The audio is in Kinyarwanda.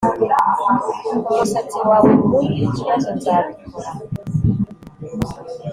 umusatsi wawe. ntugire ikibazo, nzabikora